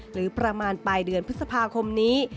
หรือประมาณปลายเดือนพฤษภาคมนี้